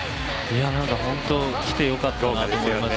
本当、来て良かったなと思いました。